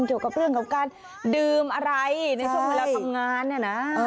เกี่ยวกับเรื่องของการดื่มอะไรในช่วงเวลาทำงานเนี่ยนะ